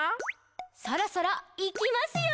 「そろそろ、いきますよ！」